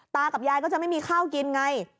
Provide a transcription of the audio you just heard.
ตากับยายก็จะไม่มีข้าวกินไง